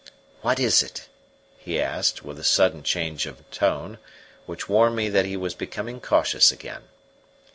"What is it?" he asked, with a sudden change of tone, which warned me that he was becoming cautious again.